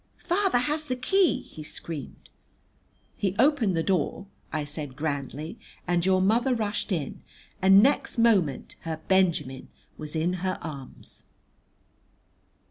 "Father has the key!" he screamed. "He opened the door," I said grandly, "and your mother rushed in, and next moment her Benjamin was in her arms."